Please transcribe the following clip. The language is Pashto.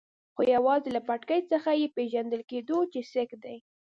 خو یوازې له پټکي څخه یې پېژندل کېدو چې سېک دی.